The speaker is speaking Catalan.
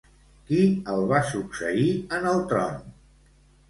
Qui el va succeir en el tron?